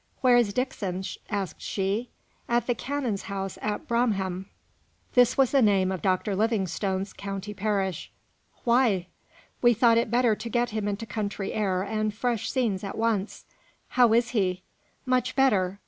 "Where is Dixon?" asked she. "At the canon's house at Bromham." This was the name of Dr. Livingstone's county parish. "Why?" "We thought it better to get him into country air and fresh scenes at once." "How is he?" "Much better.